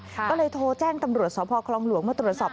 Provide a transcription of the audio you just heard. ก็เลยโทรแจ้งตำรวจสพคลองหลวงมาตรวจสอบ